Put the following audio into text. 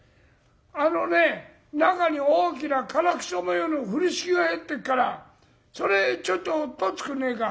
あのね中に大きな唐草模様の風呂敷が入ってっからそれちょっと取っつくんねえか？